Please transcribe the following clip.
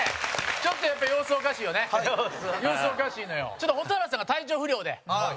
ちょっと蛍原さんが体調不良で。